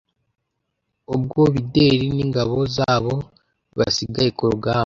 Ubwo Bideri n’ingabo zabobasigaye ku rugamba